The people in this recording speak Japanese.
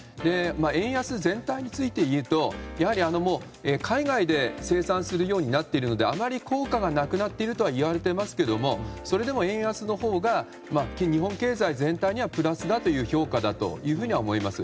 円安全体についていうとやはり海外で生産するようになっているのであまり効果がなくなっているとはいわれていますけれどもそれでも円安のほうが日本経済全体にはプラスだという評価だというふうには思います。